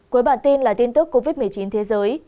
cuối bản tin là tin tức covid một mươi chín thế giới